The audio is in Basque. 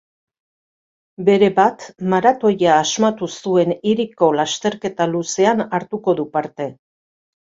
Berebat, maratoia asmatu zuen hiriko lasterketa luzean hartuko du parte.